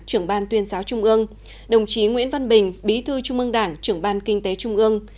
trưởng ban tuyên giáo trung ương đồng chí nguyễn văn bình bí thư trung ương đảng trưởng ban kinh tế trung ương